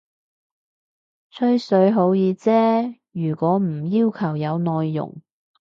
吹水好易啫，如果唔要求有內容